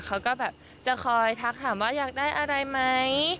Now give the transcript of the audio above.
เขาก็แบบจะคอยทักถามว่าอยากได้อะไรไหม